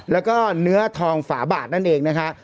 แล้วก็เนื้อทองฝาบาทนั่นเองนะคะ